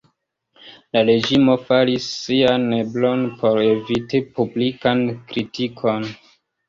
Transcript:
La reĝimo faris sian eblon por eviti publikan kritikon.